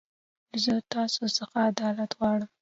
زه تاسو خڅه عدالت غواړم.